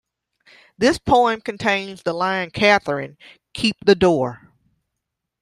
This poem contains the line Catherine, keep the door!